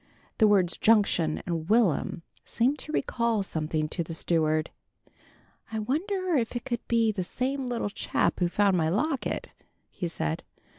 The words "Junction" and "Will'm" seemed to recall something to the steward. "I wonder if it could be the same little chap who found my locket," he said.